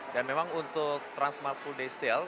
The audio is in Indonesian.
dan memang untuk transmart full day sale